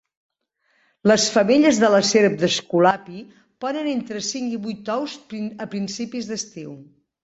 Les femelles de la serp d'Esculapi ponen entre cinc i vuit ous a principis d'estiu.